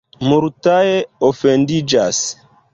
Multaj ofendiĝas.